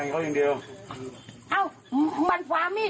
คงเอาพังครั้งเดียว